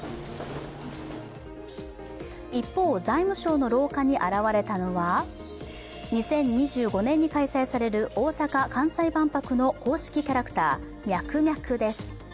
一方、財務省の廊下に現れたのは２０２５年に開催される大阪・関西万博の公式キャラクターミャクミャクです。